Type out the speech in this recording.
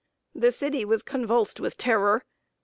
The city was convulsed with terror.